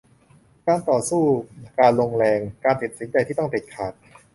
การต่อสู้ การลงแรง การตัดสินใจที่ต้องเด็ดขาด